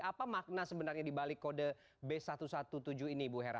apa makna sebenarnya dibalik kode b satu ratus tujuh belas ini bu hera